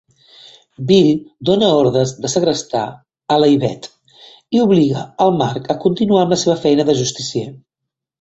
Bill dóna ordres de segrestar a l'Yvette i obliga al Mark a continuar amb la seva feina de justicier.